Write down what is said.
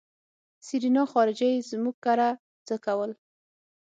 آ سېرېنا خارجۍ زموږ کره څه کول.